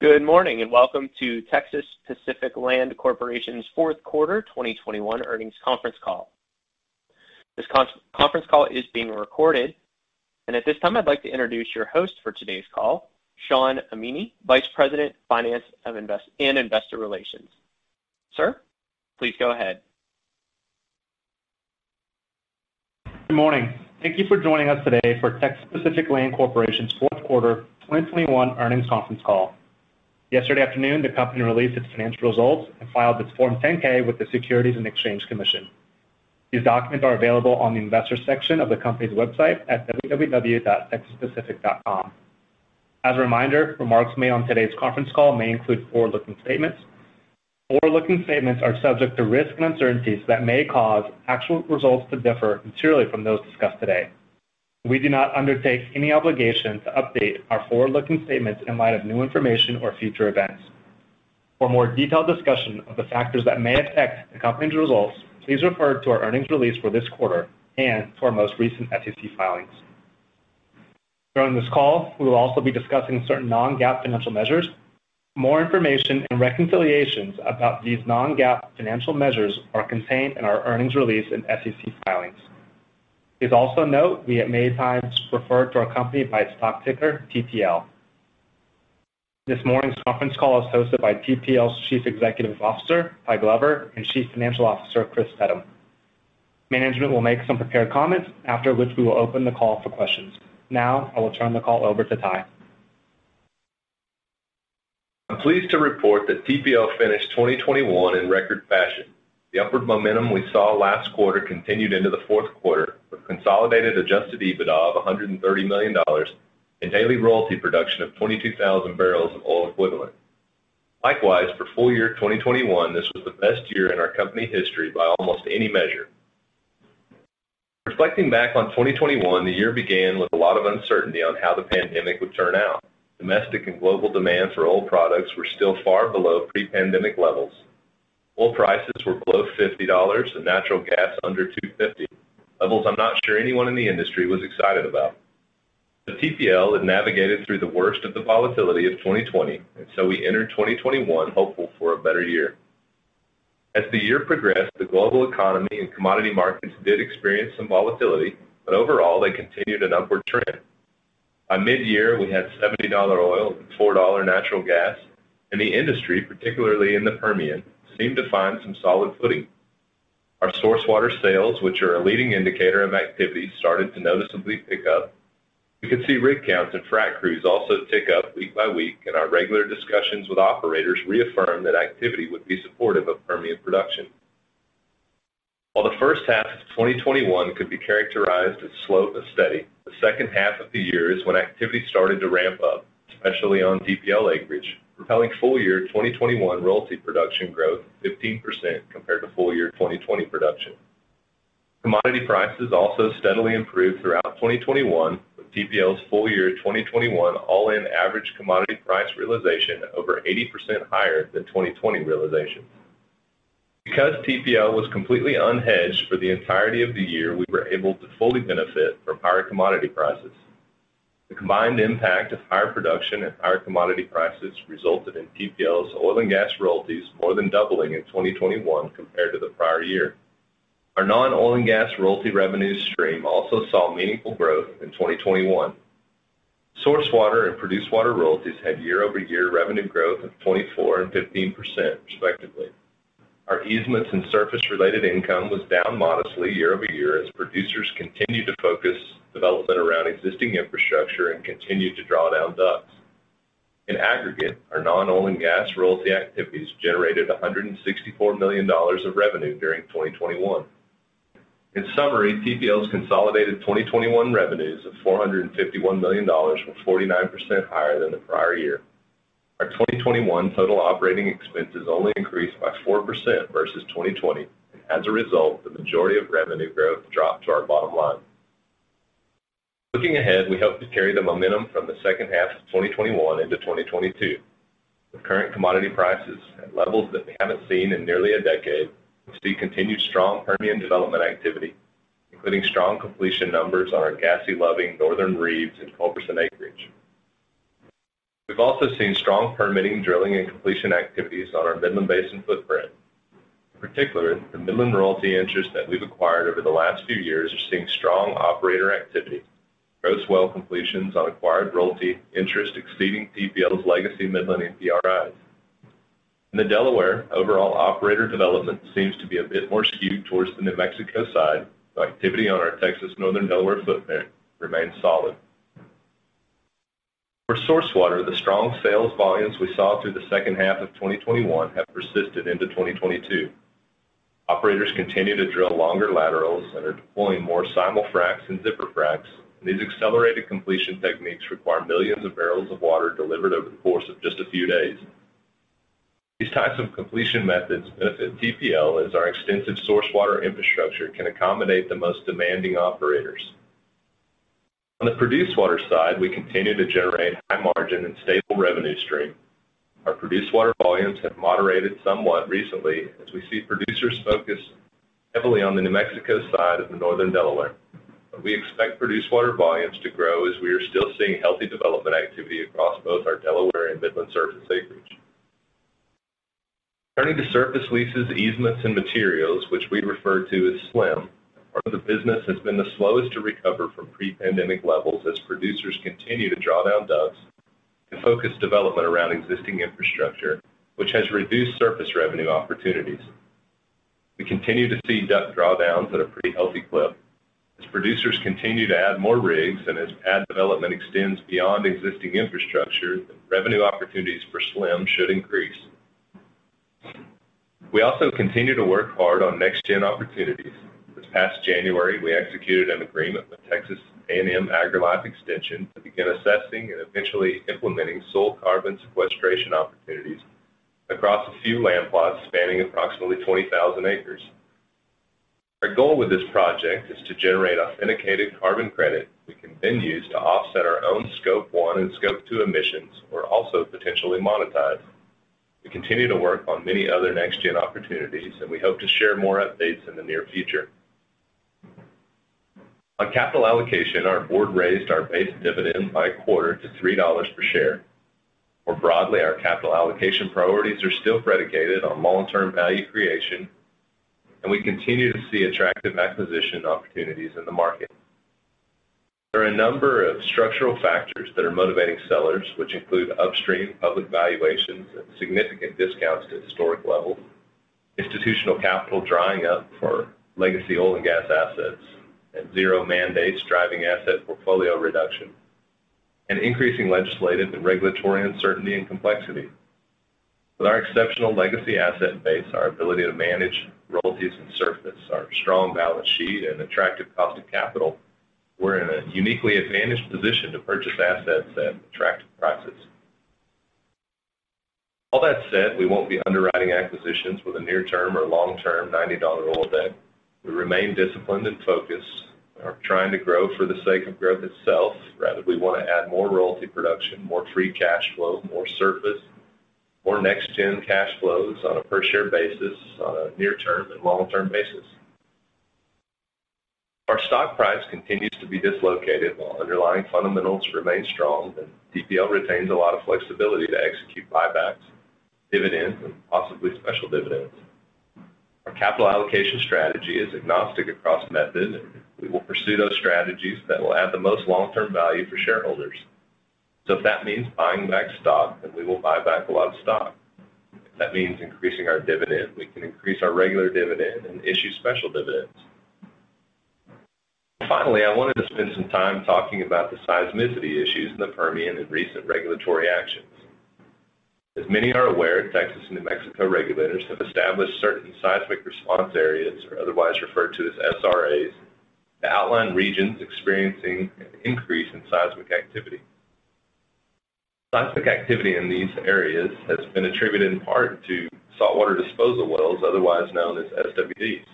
Good morning, and welcome to Texas Pacific Land Corporation's fourth quarter 2021 earnings conference call. This conference call is being recorded. At this time, I'd like to introduce your host for today's call, Shawn Amini, Vice President, Finance and Investor Relations. Sir, please go ahead. Good morning. Thank you for joining us today for Texas Pacific Land Corporation's fourth quarter 2021 earnings conference call. Yesterday afternoon, the company released its financial results and filed its Form 10-K with the Securities and Exchange Commission. These documents are available on the investors section of the company's website at www.texaspacific.com. As a reminder, remarks made on today's conference call may include forward-looking statements. Forward-looking statements are subject to risks and uncertainties that may cause actual results to differ materially from those discussed today. We do not undertake any obligation to update our forward-looking statements in light of new information or future events. For more detailed discussion of the factors that may affect the company's results, please refer to our earnings release for this quarter and to our most recent SEC filings. During this call, we will also be discussing certain non-GAAP financial measures. More information and reconciliations about these non-GAAP financial measures are contained in our earnings release and SEC filings. Please also note we at many times refer to our company by its stock ticker, TPL. This morning's conference call is hosted by TPL's Chief Executive Officer, Ty Glover, and Chief Financial Officer, Chris Steddum. Management will make some prepared comments, after which we will open the call for questions. Now, I will turn the call over to Ty. I'm pleased to report that TPL finished 2021 in record fashion. The upward momentum we saw last quarter continued into the fourth quarter with consolidated adjusted EBITDA of $130 million and daily royalty production of 22,000 barrels of oil equivalent. Likewise, for full year 2021, this was the best year in our company history by almost any measure. Reflecting back on 2021, the year began with a lot of uncertainty on how the pandemic would turn out. Domestic and global demand for oil products were still far below pre-pandemic levels. Oil prices were below $50, and natural gas under $2.50, levels I'm not sure anyone in the industry was excited about. TPL had navigated through the worst of the volatility of 2020, and so we entered 2021 hopeful for a better year. As the year progressed, the global economy and commodity markets did experience some volatility, but overall, they continued an upward trend. By mid-year, we had $70 oil and $4 natural gas, and the industry, particularly in the Permian, seemed to find some solid footing. Our source water sales, which are a leading indicator of activity, started to noticeably pick up. We could see rig counts and frac crews also tick up week by week, and our regular discussions with operators reaffirmed that activity would be supportive of Permian production. While the first half of 2021 could be characterized as slow but steady, the second half of the year is when activity started to ramp up, especially on TPL acreage, propelling full year 2021 royalty production growth 15% compared to full year 2020 production. Commodity prices also steadily improved throughout 2021, with TPL's full year 2021 all-in average commodity price realization over 80% higher than 2020 realization. Because TPL was completely unhedged for the entirety of the year, we were able to fully benefit from higher commodity prices. The combined impact of higher production and higher commodity prices resulted in TPL's oil and gas royalties more than doubling in 2021 compared to the prior year. Our non-oil and gas royalty revenue stream also saw meaningful growth in 2021. Source water and produced water royalties had year-over-year revenue growth of 24% and 15% respectively. Our easements and surface-related income was down modestly year-over-year as producers continued to focus development around existing infrastructure and continued to draw down DUCs. In aggregate, our non-oil and gas royalty activities generated $164 million of revenue during 2021. In summary, TPL's consolidated 2021 revenues of $451 million were 49% higher than the prior year. Our 2021 total operating expenses only increased by 4% versus 2020. As a result, the majority of revenue growth dropped to our bottom line. Looking ahead, we hope to carry the momentum from the second half of 2021 into 2022. With current commodity prices at levels that we haven't seen in nearly a decade, we see continued strong Permian development activity, including strong completion numbers on our gassy Loving, Northern Reeves, and Culberson acreage. We've also seen strong permitting, drilling, and completion activities on our Midland Basin footprint. In particular, the Midland royalty interests that we've acquired over the last few years are seeing strong operator activity. Gross well completions on acquired royalty interest exceeding TPL's legacy Midland NPRIs. In the Delaware, overall operator development seems to be a bit more skewed towards the New Mexico side, though activity on our Texas Northern Delaware footprint remains solid. For source water, the strong sales volumes we saw through the second half of 2021 have persisted into 2022. Operators continue to drill longer laterals and are deploying more simul-fracs and zipper fracs. These accelerated completion techniques require millions of barrels of water delivered over the course of just a few days. These types of completion methods benefit TPL as our extensive source water infrastructure can accommodate the most demanding operators. On the produced water side, we continue to generate high margin and stable revenue stream. Our produced water volumes have moderated somewhat recently as we see producers focus heavily on the New Mexico side of the Northern Delaware. We expect produced water volumes to grow as we are still seeing healthy development activity across both our Delaware and Midland surface acreage. Turning to surface leases, easements, and materials, which we refer to as SLIM, part of the business has been the slowest to recover from pre-pandemic levels as producers continue to draw down DUCs and focus development around existing infrastructure, which has reduced surface revenue opportunities. We continue to see DUC drawdowns at a pretty healthy clip. As producers continue to add more rigs and as pad development extends beyond existing infrastructure, revenue opportunities for SLIM should increase. We also continue to work hard on next-gen opportunities. This past January, we executed an agreement with Texas A&M AgriLife Extension to begin assessing and eventually implementing soil carbon sequestration opportunities across a few land plots spanning approximately 20,000 acres. Our goal with this project is to generate authenticated carbon credit we can then use to offset our own Scope 1 and Scope 2 emissions or also potentially monetize. We continue to work on many other next-gen opportunities, and we hope to share more updates in the near future. On capital allocation, our board raised our base dividend by a quarter to $3 per share. More broadly, our capital allocation priorities are still predicated on long-term value creation, and we continue to see attractive acquisition opportunities in the market. There are a number of structural factors that are motivating sellers, which include upstream public valuations at significant discounts to historic levels, institutional capital drying up for legacy oil and gas assets, and zero mandates driving asset portfolio reduction, and increasing legislative and regulatory uncertainty and complexity. With our exceptional legacy asset base, our ability to manage royalties and surface, our strong balance sheet, and attractive cost of capital, we're in a uniquely advantaged position to purchase assets at attractive prices. All that said, we won't be underwriting acquisitions with a near-term or long-term $90 oil deck. We remain disciplined and focused. We aren't trying to grow for the sake of growth itself. Rather, we want to add more royalty production, more free cash flow, more surface, more next-gen cash flows on a per-share basis, on a near-term and long-term basis. Our stock price continues to be dislocated while underlying fundamentals remain strong, and TPL retains a lot of flexibility to execute buybacks, dividends, and possibly special dividends. Our capital allocation strategy is agnostic across method, and we will pursue those strategies that will add the most long-term value for shareholders. If that means buying back stock, then we will buy back a lot of stock. If that means increasing our dividend, we can increase our regular dividend and issue special dividends. Finally, I wanted to spend some time talking about the seismicity issues in the Permian and recent regulatory actions. As many are aware, Texas and New Mexico regulators have established certain seismic response areas, or otherwise referred to as SRAs, to outline regions experiencing an increase in seismic activity. Seismic activity in these areas has been attributed in part to saltwater disposal wells, otherwise known as SWDs.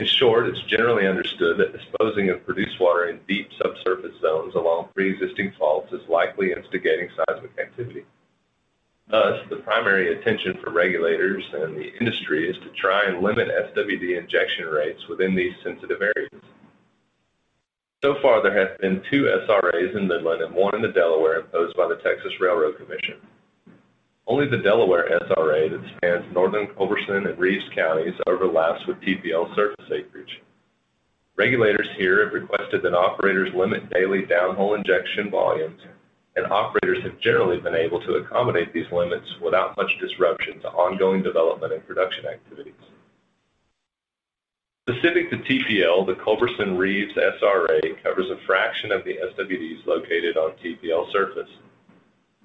In short, it's generally understood that disposing of produced water in deep subsurface zones along pre-existing faults is likely instigating seismic activity. Thus, the primary attention for regulators and the industry is to try and limit SWD injection rates within these sensitive areas. So far, there have been two SRAs in Midland and one in the Delaware imposed by the Railroad Commission of Texas. Only the Delaware SRA that spans northern Culberson and Reeves counties overlaps with TPL surface acreage. Regulators here have requested that operators limit daily downhole injection volumes, and operators have generally been able to accommodate these limits without much disruption to ongoing development and production activities. Specific to TPL, the Culberson-Reeves SRA covers a fraction of the SWDs located on TPL surface.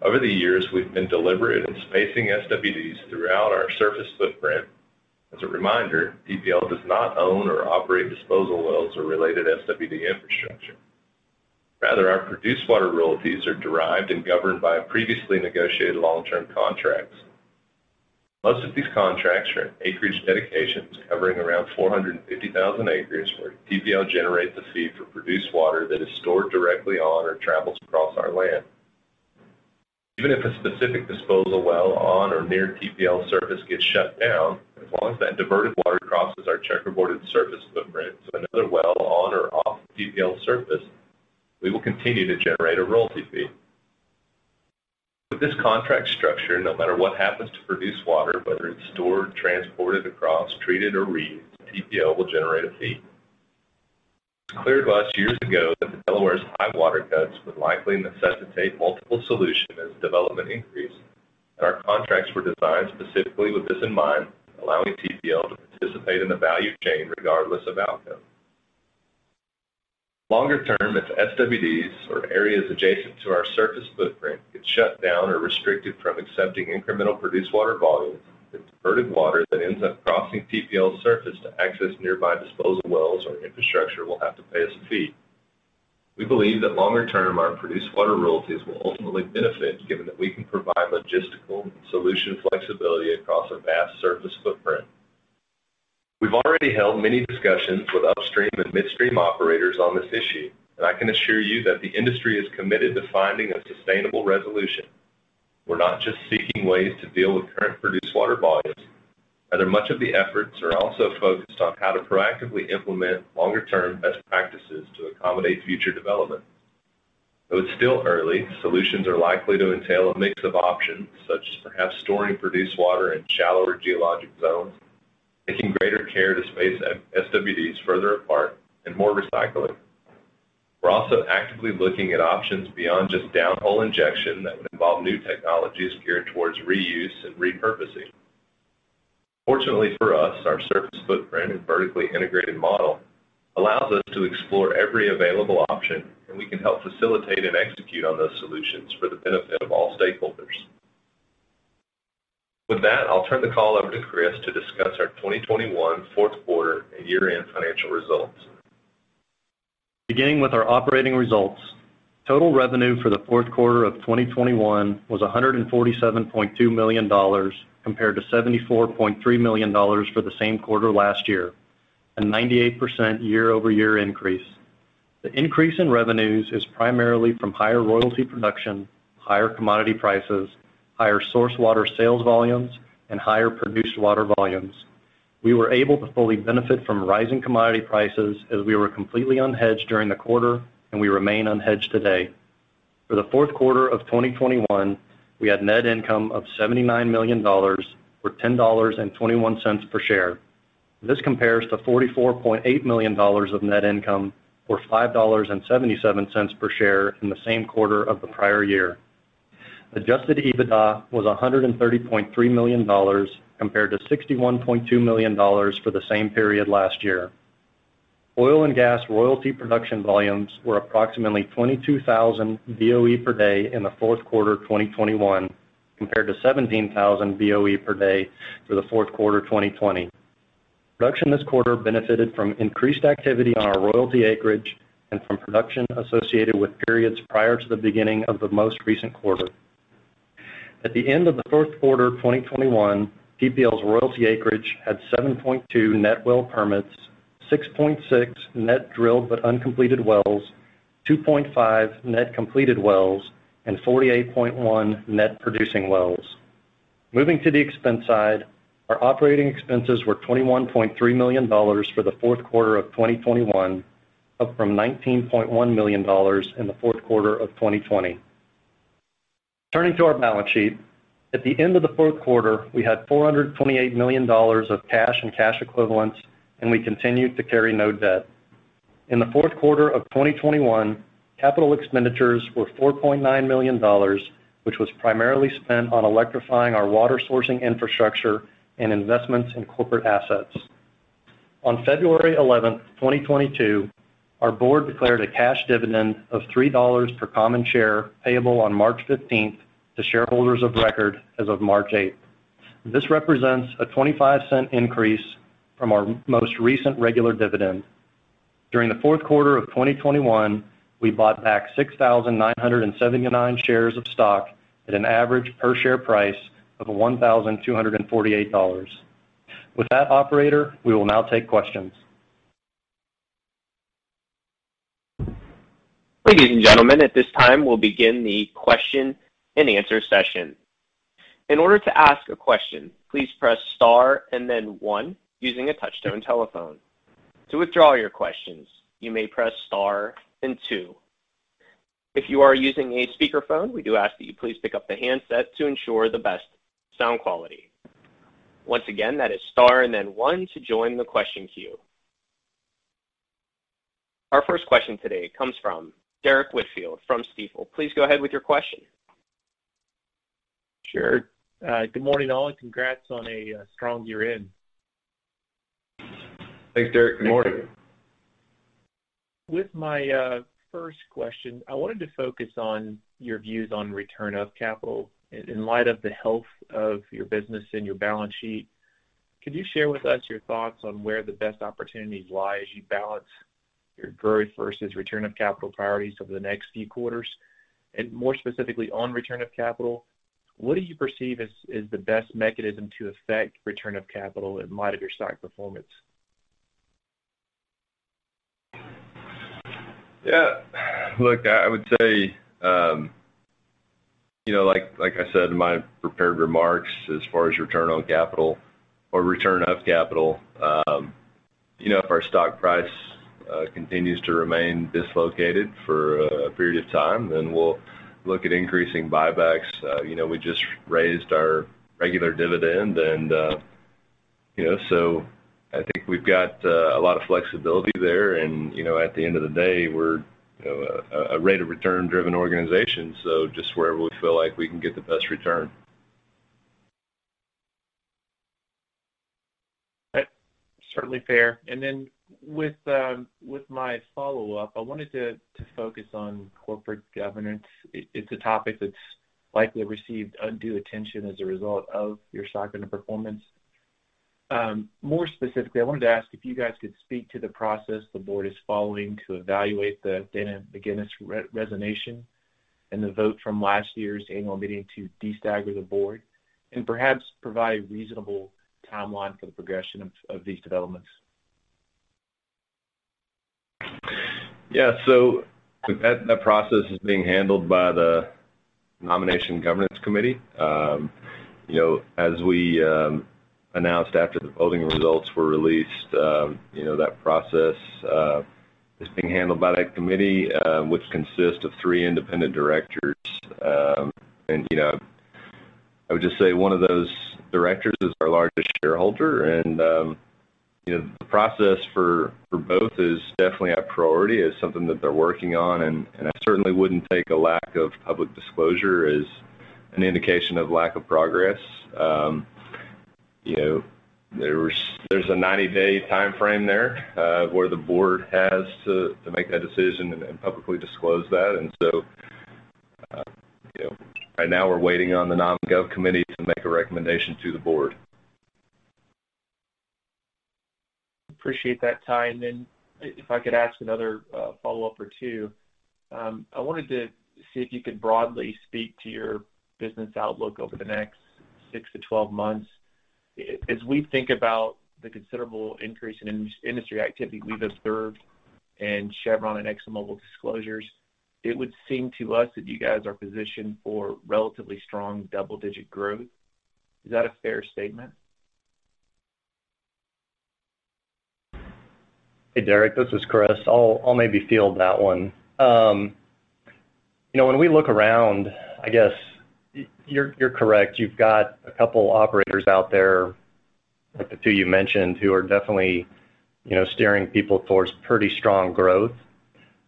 Over the years, we've been deliberate in spacing SWDs throughout our surface footprint. As a reminder, TPL does not own or operate disposal wells or related SWD infrastructure. Rather, our produced water royalties are derived and governed by previously negotiated long-term contracts. Most of these contracts are in acreage dedications covering around 450,000 acres where TPL generates a fee for produced water that is stored directly on or travels across our land. Even if a specific disposal well on or near TPL surface gets shut down, as long as that diverted water crosses our checkerboarded surface footprint to another well on or off TPL surface, we will continue to generate a royalty fee. With this contract structure, no matter what happens to produced water, whether it's stored, transported across, treated, or reused, TPL will generate a fee. It was clear to us years ago that the Delaware's high water cuts would likely necessitate multiple solutions as development increased, and our contracts were designed specifically with this in mind, allowing TPL to participate in the value chain regardless of outcome. Longer term, if SWDs or areas adjacent to our surface footprint get shut down or restricted from accepting incremental produced water volumes, the diverted water that ends up crossing TPL's surface to access nearby disposal wells or infrastructure will have to pay us a fee. We believe that longer term, our produced water royalties will ultimately benefit given that we can provide logistical and solution flexibility across a vast surface footprint. We've already held many discussions with upstream and midstream operators on this issue, and I can assure you that the industry is committed to finding a sustainable resolution. We're not just seeking ways to deal with current produced water volumes, rather much of the efforts are also focused on how to proactively implement longer-term best practices to accommodate future development. Though it's still early, solutions are likely to entail a mix of options, such as perhaps storing produced water in shallower geologic zones, taking greater care to space SWDs further apart, and more recycling. We're also actively looking at options beyond just downhole injection that would involve new technologies geared towards reuse and repurposing. Fortunately for us, our surface footprint and vertically integrated model allows us to explore every available option, and we can help facilitate and execute on those solutions for the benefit of all stakeholders. With that, I'll turn the call over to Chris to discuss our 2021 fourth quarter and year-end financial results. Beginning with our operating results, total revenue for the fourth quarter of 2021 was $147.2 million compared to $74.3 million for the same quarter last year, a 98% year-over-year increase. The increase in revenues is primarily from higher royalty production, higher commodity prices, higher source water sales volumes, and higher produced water volumes. We were able to fully benefit from rising commodity prices as we were completely unhedged during the quarter, and we remain unhedged today. For the fourth quarter of 2021, we had net income of $79 million, or $10.21 per share. This compares to $44.8 million of net income, or $5.77 per share in the same quarter of the prior year. Adjusted EBITDA was $130.3 million, compared to $61.2 million for the same period last year. Oil and gas royalty production volumes were approximately 22,000 BOE per day in the fourth quarter of 2021, compared to 17,000 BOE per day for the fourth quarter of 2020. Production this quarter benefited from increased activity on our royalty acreage and from production associated with periods prior to the beginning of the most recent quarter. At the end of the fourth quarter of 2021, TPL's royalty acreage had 7.2 net well permits, 6.6 net drilled but uncompleted wells, 2.5 net completed wells, and 48.1 net producing wells. Moving to the expense side, our operating expenses were $21.3 million for the fourth quarter of 2021, up from $19.1 million in the fourth quarter of 2020. Turning to our balance sheet. At the end of the fourth quarter, we had $428 million of cash and cash equivalents, and we continued to carry no debt. In the fourth quarter of 2021, capital expenditures were $4.9 million, which was primarily spent on electrifying our water sourcing infrastructure and investments in corporate assets. On February 11, 2022, our board declared a cash dividend of $3 per common share payable on March 15 to shareholders of record as of March 8. This represents a 25-cent increase from our most recent regular dividend. During the fourth quarter of 2021, we bought back 6,979 shares of stock at an average per share price of $1,248. With that, operator, we will now take questions. Ladies and gentlemen, at this time, we'll begin the question and answer session. In order to ask a question, please press star and then one using a touch-tone telephone. To withdraw your questions, you may press star and two. If you are using a speakerphone, we do ask that you please pick up the handset to ensure the best sound quality. Once again, that is star and then one to join the question queue. Our first question today comes from Derrick Whitfield from Stifel. Please go ahead with your question. Sure. Good morning, all, and congrats on a strong year-end. Thanks, Derrick. Good morning. With my first question, I wanted to focus on your views on return of capital. In light of the health of your business and your balance sheet, could you share with us your thoughts on where the best opportunities lie as you balance your growth versus return of capital priorities over the next few quarters? More specifically, on return of capital, what do you perceive as the best mechanism to affect return of capital in light of your stock performance? Yeah. Look, I would say, you know, like I said in my prepared remarks, as far as return on capital or return of capital, you know, if our stock price continues to remain dislocated for a period of time, then we'll look at increasing buybacks. You know, we just raised our regular dividend and, you know, so I think we've got a lot of flexibility there. You know, at the end of the day, we're, you know, a rate of return-driven organization, so just wherever we feel like we can get the best return. That's certainly fair. Then with my follow-up, I wanted to focus on corporate governance. It's a topic that's likely received undue attention as a result of your stock underperformance. More specifically, I wanted to ask if you guys could speak to the process the board is following to evaluate the Dana McGinnis resignation and the vote from last year's annual meeting to destagger the board, and perhaps provide reasonable timeline for the progression of these developments. Yeah. That process is being handled by the Nominating Governance Committee. You know, as we announced after the voting results were released, you know, that process is being handled by that committee, which consists of three independent directors. You know, I would just say one of those directors is our largest shareholder, and you know, the process for both is definitely a priority. It's something that they're working on, and I certainly wouldn't take a lack of public disclosure as an indication of lack of progress. You know, there's a 90-day timeframe there, where the board has to make that decision and publicly disclose that. You know, right now we're waiting on the Nom Gov committee to make a recommendation to the board. Appreciate that, Ty. If I could ask another follow-up or two. I wanted to see if you could broadly speak to your business outlook over the next 6 to 12 months. As we think about the considerable increase in industry activity we've observed in Chevron and ExxonMobil disclosures, it would seem to us that you guys are positioned for relatively strong double-digit growth. Is that a fair statement? Hey, Derrick, this is Chris. I'll maybe field that one. You know, when we look around, I guess you're correct. You've got a couple operators out there, like the two you mentioned, who are definitely, you know, steering people towards pretty strong growth.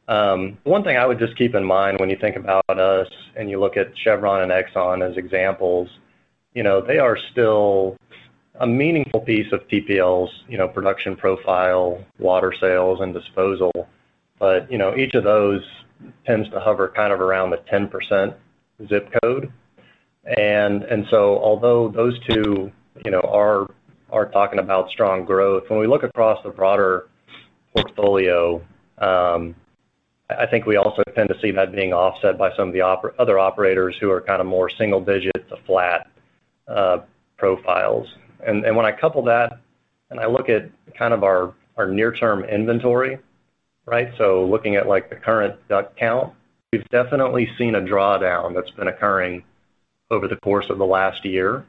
One thing I would just keep in mind when you think about us and you look at Chevron and Exxon as examples, you know, they are still a meaningful piece of TPL's, you know, production profile, water sales, and disposal. You know, each of those tends to hover kind of around the 10% ZIP code. Although those two, you know, are talking about strong growth, when we look across the broader portfolio, I think we also tend to see that being offset by some of the other operators who are kind of more single-digit to flat profiles. When I couple that and I look at kind of our near-term inventory, right? Looking at like the current DUC count, we've definitely seen a drawdown that's been occurring over the course of the last year.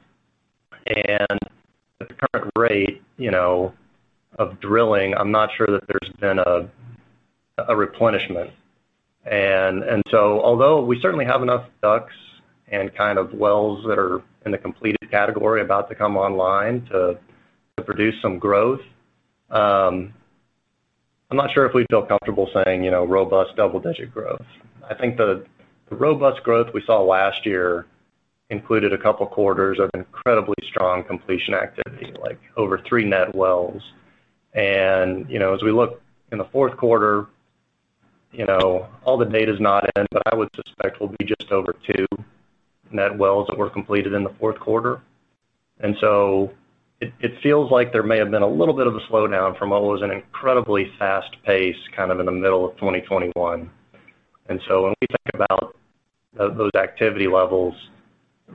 At the current rate, you know, of drilling, I'm not sure that there's been a replenishment. Although we certainly have enough DUCs and kind of wells that are in the completed category about to come online to produce some growth, I'm not sure if we'd feel comfortable saying, you know, robust double-digit growth. I think the robust growth we saw last year included a couple quarters of incredibly strong completion activity, like over three net wells. You know, as we look in the fourth quarter, you know, all the data's not in, but I would suspect we'll be just over two net wells that were completed in the fourth quarter. It feels like there may have been a little bit of a slowdown from what was an incredibly fast pace kind of in the middle of 2021. When we think about those activity levels,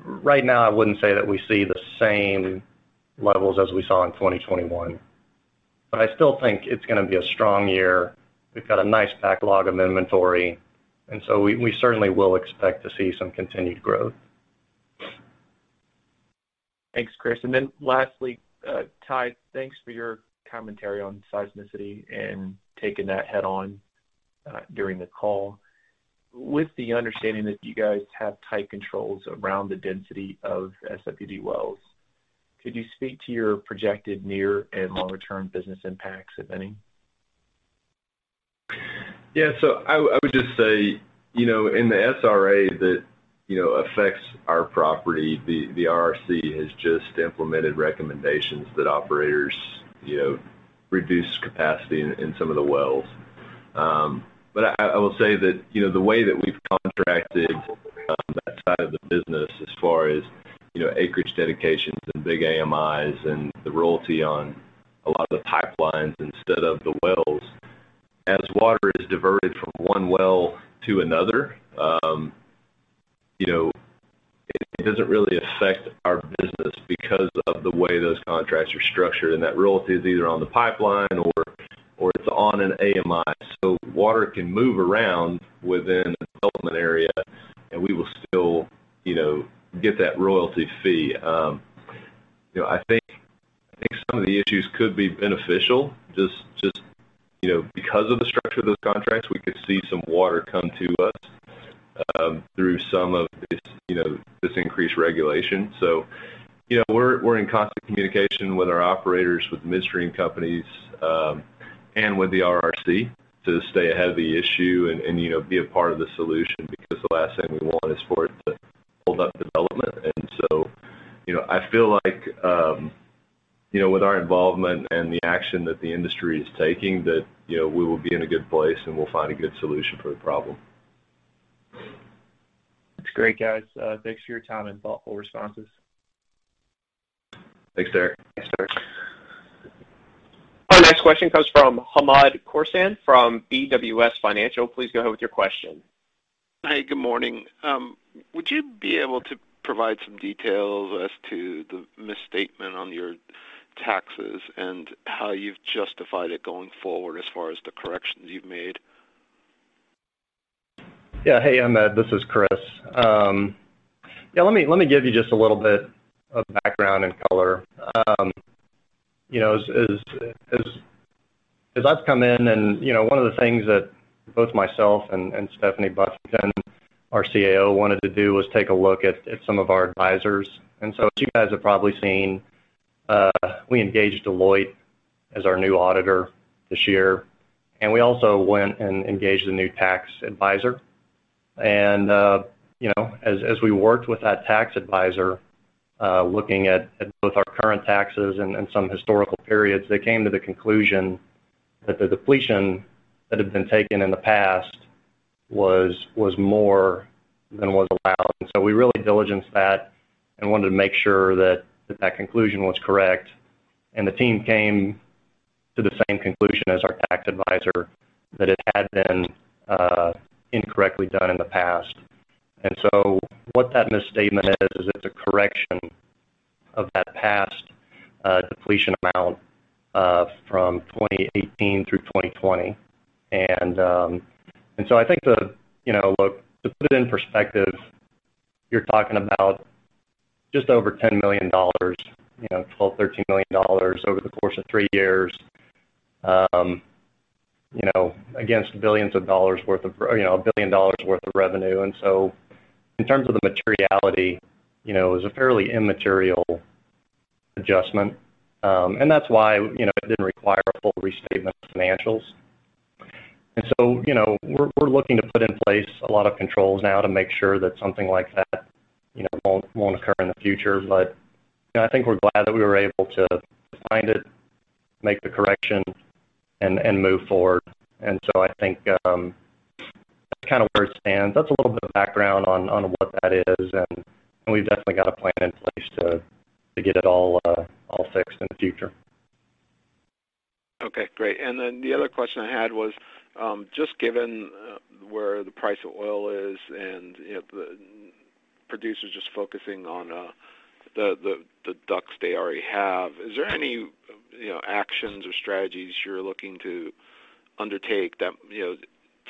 right now, I wouldn't say that we see the same levels as we saw in 2021. I still think it's gonna be a strong year. We've got a nice backlog of inventory, and so we certainly will expect to see some continued growth. Thanks, Chris. Lastly, Ty, thanks for your commentary on seismicity and taking that head on during the call. With the understanding that you guys have tight controls around the density of SWD wells, could you speak to your projected near and long-term business impacts, if any? Yeah. I would just say, you know, in the SRA that, you know, affects our property, the RRC has just implemented recommendations that operators, you know, reduce capacity in some of the wells. But I will say that, you know, the way that we've contracted that side of the business as far as, you know, acreage dedications and big AMIs and the royalty on a lot of the pipelines instead of the wells, as water is diverted from one well to another, you know, it doesn't really affect our business because of the way those contracts are structured, and that royalty is either on the pipeline or it's on an AMI. Water can move around within a development area, and we will still, you know, get that royalty fee. You know, I think some of the issues could be beneficial just, you know, because of the structure of those contracts, we could see some water come to us through some of this, you know, this increased regulation. You know, we're in constant communication with our operators, with midstream companies, and with the RRC to stay ahead of the issue and, you know, be a part of the solution because the last thing we want is for it to hold up development. You know, I feel like, you know, with our involvement and the action that the industry is taking, that, you know, we will be in a good place, and we'll find a good solution for the problem. That's great, guys. Thanks for your time and thoughtful responses. Thanks, Derrick. Thanks, Derrick. Next question comes from Hamed Khorsand from BWS Financial. Please go ahead with your question. Hi, good morning. Would you be able to provide some details as to the misstatement on your taxes and how you've justified it going forward as far as the corrections you've made? Yeah. Hey, Hamed, this is Chris. Let me give you just a little bit of background and color. You know, as I've come in and, you know, one of the things that both myself and Stephanie Buffington, our CAO, wanted to do was take a look at some of our advisors. As you guys have probably seen, we engaged Deloitte as our new auditor this year, and we also went and engaged a new tax advisor. You know, as we worked with that tax advisor, looking at both our current taxes and some historical periods, they came to the conclusion that the depletion that had been taken in the past was more than was allowed. We really diligenced that and wanted to make sure that that conclusion was correct. The team came to the same conclusion as our tax advisor, that it had been incorrectly done in the past. What that misstatement is it's a correction of that past depletion amount from 2018 through 2020. I think the. You know, look, to put it in perspective, you're talking about just over $10 million, you know, $12 million-$13 million over the course of three years, you know, against billions of dollars worth of. You know, $1 billion worth of revenue. In terms of the materiality, you know, it was a fairly immaterial adjustment. That's why, you know, it didn't require a full restatement of financials. You know, we're looking to put in place a lot of controls now to make sure that something like that, you know, won't occur in the future. You know, I think we're glad that we were able to find it, make the correction, and move forward. I think that's kind of where it stands. That's a little bit of background on what that is, and we've definitely got a plan in place to get it all fixed in the future. Okay, great. The other question I had was, just given where the price of oil is and, you know, the producers just focusing on the DUCs they already have, is there any, you know, actions or strategies you're looking to undertake that, you know,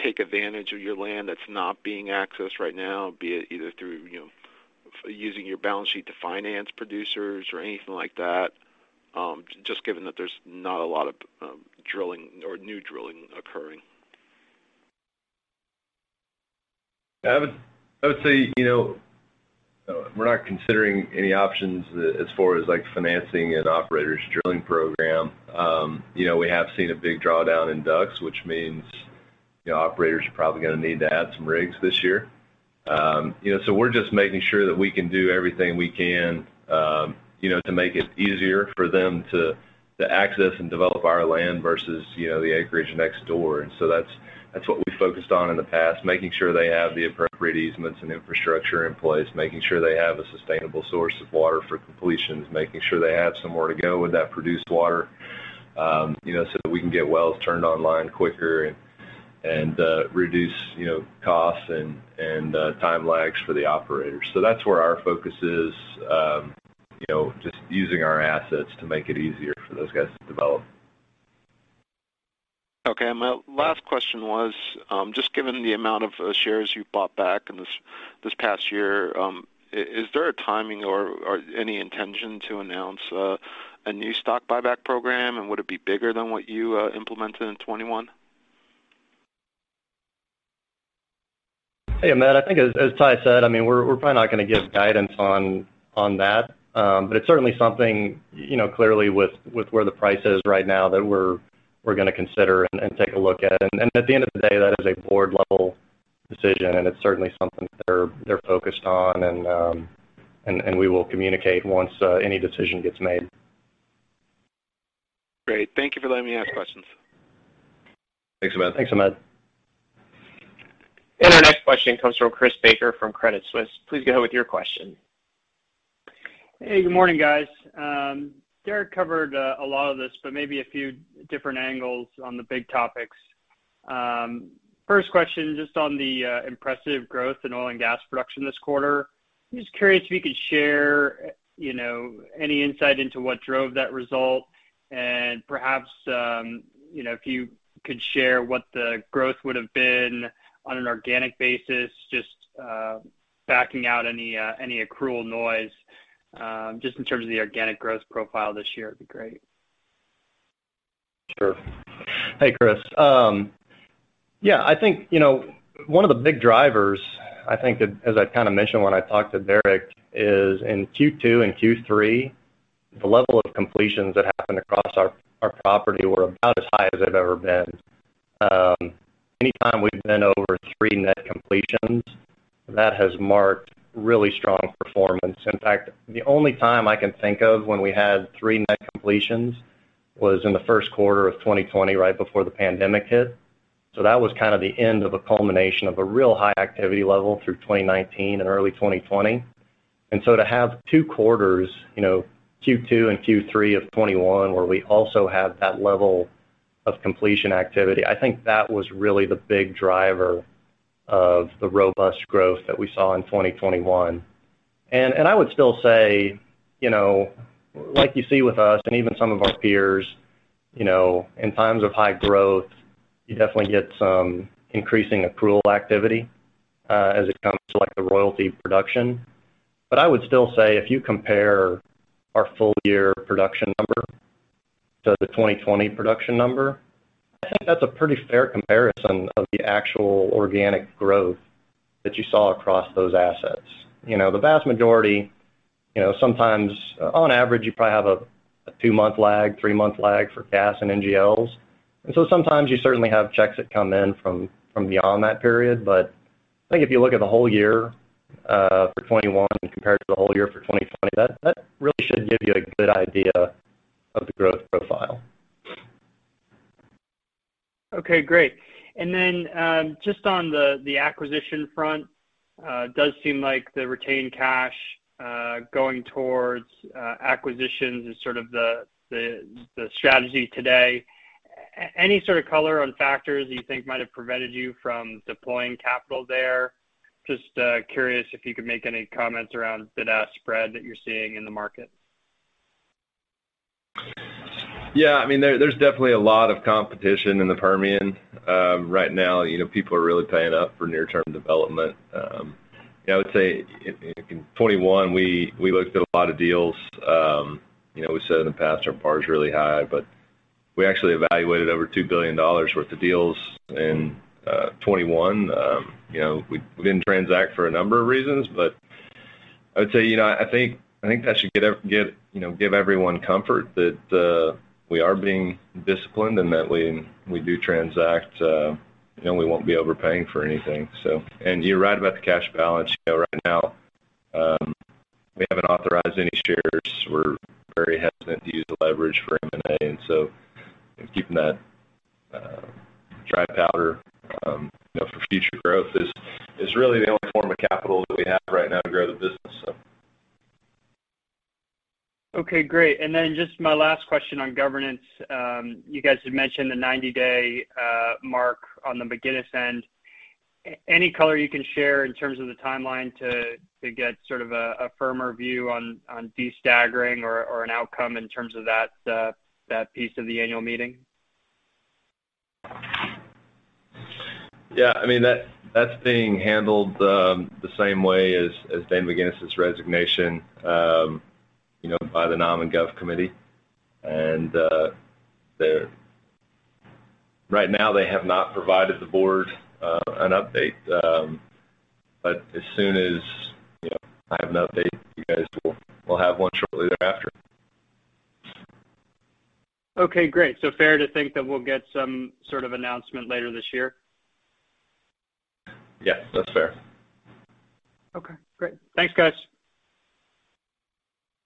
take advantage of your land that's not being accessed right now, be it either through, you know, using your balance sheet to finance producers or anything like that, just given that there's not a lot of drilling or new drilling occurring? I would say, you know, we're not considering any options as far as, like, financing an operator's drilling program. You know, we have seen a big drawdown in DUCs, which means, you know, operators are probably gonna need to add some rigs this year. You know, so we're just making sure that we can do everything we can, you know, to make it easier for them to access and develop our land versus, you know, the acreage next door. That's what we focused on in the past, making sure they have the appropriate easements and infrastructure in place, making sure they have a sustainable source of water for completions, making sure they have somewhere to go with that produced water, you know, so that we can get wells turned online quicker and reduce, you know, costs and time lags for the operators. That's where our focus is, you know, just using our assets to make it easier for those guys to develop. Okay. My last question was, just given the amount of shares you've bought back in this past year, is there a timing or any intention to announce a new stock buyback program, and would it be bigger than what you implemented in 2021? Hey, Hamed. I think as Ty said, I mean, we're probably not gonna give guidance on that. But it's certainly something, you know, clearly with where the price is right now that we're gonna consider and take a look at. At the end of the day, that is a board-level decision, and it's certainly something they're focused on, and we will communicate once any decision gets made. Great. Thank you for letting me ask questions. Thanks, Hamed. Thanks, Hamed. Our next question comes from Chris Baker from Credit Suisse. Please go ahead with your question. Hey, good morning, guys. Derrick covered a lot of this, but maybe a few different angles on the big topics. First question, just on the impressive growth in oil and gas production this quarter. I'm just curious if you could share, you know, any insight into what drove that result. Perhaps, you know, if you could share what the growth would have been on an organic basis, just backing out any accrual noise, just in terms of the organic growth profile this year would be great. Sure. Hey, Chris. Yeah, I think, you know, one of the big drivers, I think that, as I kind of mentioned when I talked to Derrick, is in Q2 and Q3, the level of completions that happened across our property were about as high as they've ever been. Anytime we've been over three net completions, that has marked really strong performance. In fact, the only time I can think of when we had three net completions was in the first quarter of 2020, right before the pandemic hit. That was kind of the end of a culmination of a real high activity level through 2019 and early 2020. To have two quarters, you know, Q2 and Q3 of 2021, where we also have that level of completion activity, I think that was really the big driver of the robust growth that we saw in 2021. I would still say, you know, like you see with us and even some of our peers, you know, in times of high growth, you definitely get some increasing accrual activity, as it comes to like the royalty production. I would still say if you compare our full year production number to the 2020 production number, I think that's a pretty fair comparison of the actual organic growth that you saw across those assets. You know, the vast majority, you know, sometimes on average, you probably have a two-month lag, three-month lag for gas and NGLs. Sometimes you certainly have checks that come in from beyond that period. I think if you look at the whole year for 2021 compared to the whole year for 2020, that really should give you a good idea of the growth profile. Okay, great. Then, just on the acquisition front, does seem like the retained cash going towards acquisitions is sort of the strategy today. Any sort of color on factors that you think might have prevented you from deploying capital there? Just curious if you could make any comments around bid-ask spread that you're seeing in the market. Yeah, I mean, there's definitely a lot of competition in the Permian. Right now, you know, people are really paying up for near-term development. You know, I would say in 2021 we looked at a lot of deals. You know, we said in the past our bar is really high, but we actually evaluated over $2 billion worth of deals in 2021. You know, we didn't transact for a number of reasons, but I would say, you know, I think that should give everyone comfort that we are being disciplined and that when we do transact, you know, we won't be overpaying for anything. You're right about the cash balance. You know, right now, we haven't authorized any shares. We're very hesitant to use the leverage for M&A. Keeping that dry powder, you know, for future growth is really the only form of capital that we have right now to grow the business so. Okay, great. Just my last question on governance. You guys had mentioned the 90-day mark on the McGinnis end. Any color you can share in terms of the timeline to get sort of a firmer view on de-staggering or an outcome in terms of that piece of the annual meeting? Yeah, I mean, that's being handled the same way as Dana McGinnis' resignation, you know, by the Nominating and Governance Committee. Right now, they have not provided the Board an update. As soon as, you know, I have an update, you guys will have one shortly thereafter. Okay, great. Fair to think that we'll get some sort of announcement later this year? Yes, that's fair. Okay, great. Thanks, guys.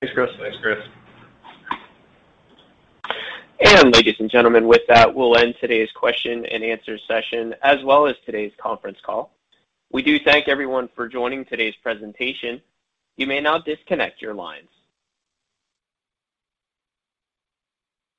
Thanks, Chris. Thanks, Chris. Ladies and gentlemen, with that, we'll end today's question and answer session, as well as today's conference call. We do thank everyone for joining today's presentation. You may now disconnect your lines.